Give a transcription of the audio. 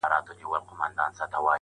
خو بس دا ستا تصوير به كور وران كړو.